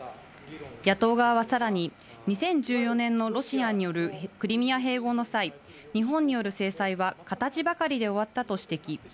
野党側はさらに、２０１４年のロシアによるクリミア併合の際、日本による制裁は、形ばかりで終わったと指摘。